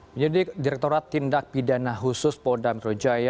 penyidik direkturat tindak pidana khusus polda metro jaya